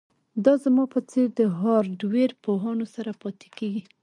دا زما په څیر د هارډویر پوهانو سره پاتې کیږي